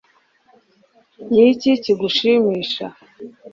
Ni iki kigushimisha